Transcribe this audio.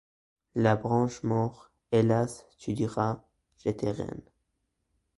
La branche morte, hélas, tu diras : -J'étais reine.